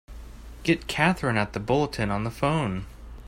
Get Katherine at the Bulletin on the phone!